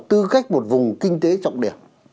tư cách một vùng kinh tế trọng điểm